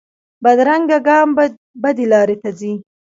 بدرنګه ګام بدې لارې ته ځي